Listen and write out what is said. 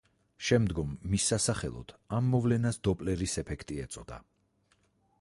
შემდგომ მის სასახელოდ ამ მოვლენას დოპლერის ეფექტი ეწოდა.